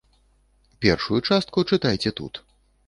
Першую частку чытайце тут.